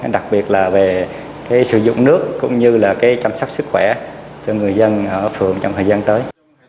đặc biệt là về sử dụng nước cũng như là chăm sóc sức khỏe cho người dân ở phường trong thời gian tới